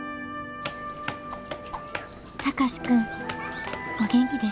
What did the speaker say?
「貴司君お元気ですか。